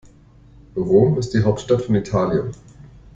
Rom ist die Hauptstadt von Italien.